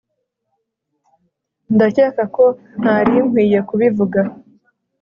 ndakeka ko ntari nkwiye kubivuga